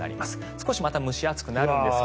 少しまた蒸し暑くなるんですが。